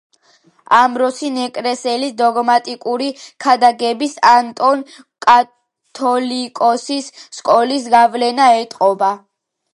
ამბროსი ნეკრესელის დოგმატიკური ქადაგებებს ანტონ კათოლიკოსის სკოლის გავლენა ეტყობა.